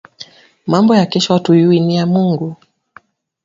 Mambo ya kesho atuiyuwi niya Mungu